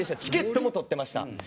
チケットも取ってました。